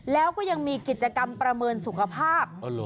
แล้วก็ยังมีกิจกรรมประเมินสุขภาพ